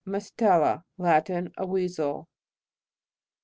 MUSTELA. Latin. A Weasel.